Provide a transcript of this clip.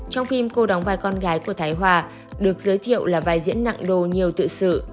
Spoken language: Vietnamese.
trong phim cô đóng vai con gái của thái hòa được giới thiệu là vai diễn nặng đồ nhiều tự sự